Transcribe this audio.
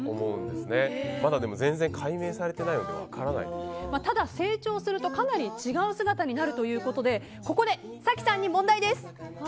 でもまだ全然解明されていないのでただ成長するとかなり違う姿になるということでここで早紀さんに問題です！